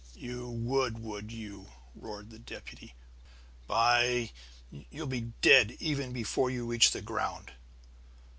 "You would, would you!" roared the deputy. "By you'll be dead even before you reach the ground!"